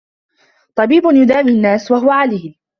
طبيب يداوي الناس وهو عليل